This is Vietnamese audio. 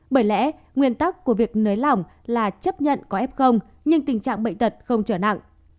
bởi lẽ nguyên tắc của việc nới lỏng là chấp nhận có f nhưng tình trạng bệnh tật không trở nặng